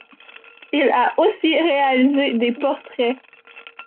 Il a aussi réalisé des portraits.